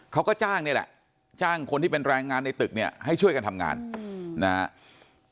เขาก็จ้างนี่แหละจ้างคนที่เป็นแรงงานในตึกเนี่ยให้ช่วยกันทำงานนะครับ